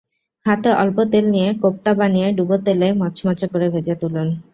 হাতে অল্প তেল নিয়ে কোফতা বানিয়ে ডুবোতেলে মচমচে করে ভেজে তুলুন।